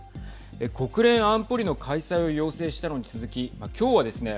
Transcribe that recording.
国連安保理の開催を要請したのに続き今日はですね